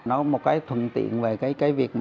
nó một cái thuận tiện về cái việc